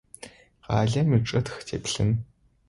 Къалэм ичӏытх теплъын.